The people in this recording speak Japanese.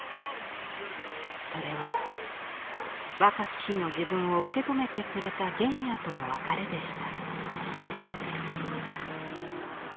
それは若き日の自分を受け止めてくれた原野との別れでした。